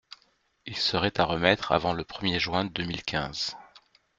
Il serait à remettre avant le premier juin deux mille quinze.